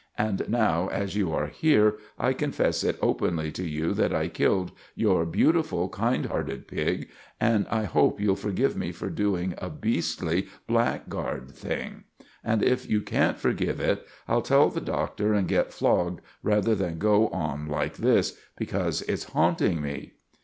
And now, as you are here, I confess it openly to you that I killed your beautiful, kind hearted pig, and I hope you'll forgive me for doing a beastly, blackguard thing. And if you can't forgive it, I'll tell the Doctor and get flogged rather than go on like this; because it's haunting me."